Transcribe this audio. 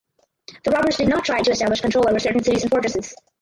The "robbers" did not try to establish control over certain cities and fortresses.